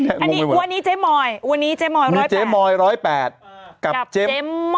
เด็กคนนั้นเนี่ยมันเป็น